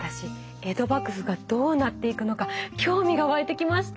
江戸幕府がどうなっていくのか興味が湧いてきました。